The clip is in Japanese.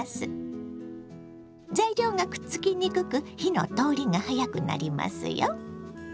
材料がくっつきにくく火の通りが早くなりますよ。